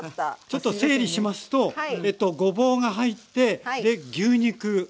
ちょっと整理しますとごぼうが入ってで牛肉。